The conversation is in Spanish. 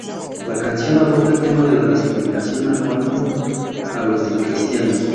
La canción aborda el tema de la discriminación a cuanto a los cristianos.